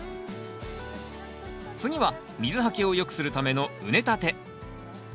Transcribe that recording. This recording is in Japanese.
次は水はけを良くするための畝立て。